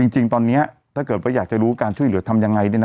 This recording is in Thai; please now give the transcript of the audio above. จริงตอนนี้ถ้าเกิดว่าอยากจะรู้การช่วยเหลือทำยังไง